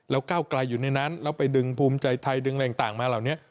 แล้วก้าวไกลอยู่ในนั้นแล้วไปดึงภูมิใจไทยดึงอะไรต่างมาเหล่านี้